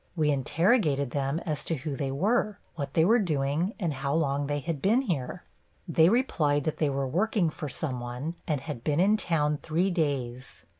We interrogated them as to who they were, what they were doing and how long they had been here. They replied that they were working for some one and had been in town three days.